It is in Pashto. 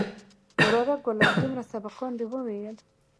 وراره گله دومره سبقان دې وويل.